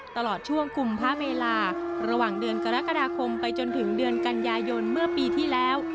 ตลอดช่วงกุมพระเมลาระหว่างเดือนกรกฎาคมไปจนถึงเดือนกันยายนเมื่อปีที่แล้ว